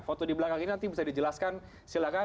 foto di belakang ini nanti bisa dijelaskan silahkan